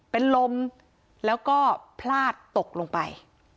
เป็นลมแล้วก็พลาดตกลงไป